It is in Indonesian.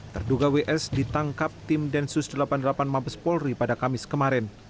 terduga ws ditangkap tim densus delapan puluh delapan mabes polri pada kamis kemarin